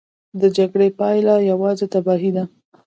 د جګړې پایله یوازې تباهي ده.